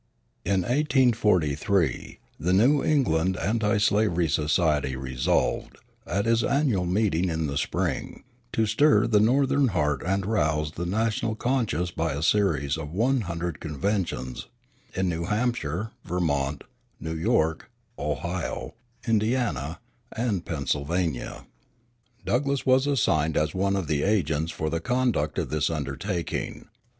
In 1843 the New England Anti slavery Society resolved, at its annual meeting in the spring, to stir the Northern heart and rouse the national conscience by a series of one hundred conventions in New Hampshire, Vermont, New York, Ohio, Indiana, and Pennsylvania. Douglass was assigned as one of the agents for the conduct of this undertaking.